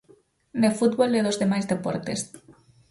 De fútbol e dos demais deportes.